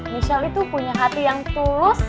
michelle itu punya hati yang tulus